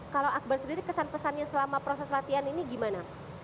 kalau akbar sendiri kesan pesannya selama proses latihan ini gimana